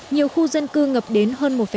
nhiều khu dân cư ngập đến hơn một năm